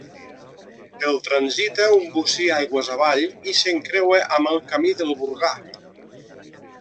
El transita un bocí aigües avall i s'encreua amb el camí del Burgar.